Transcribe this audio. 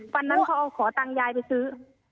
วันนั้นเขาเอาขอตังค์ยายไปซื้อ